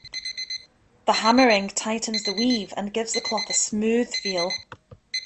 The hammering tightens the weave and give the cloth a smooth feel.